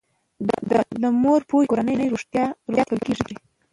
د مور په پوهه کورنی روغتیا قوي کیږي.